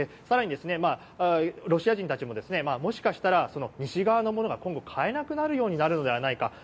更に、ロシア人たちももしかしたら西側の物が今後、買えなくなるようになるのではないか。